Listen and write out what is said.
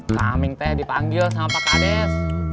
kaming teh dipanggil sama pak ades